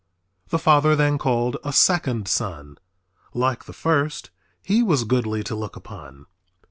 The father then called a second son. Like the first he was goodly to look upon.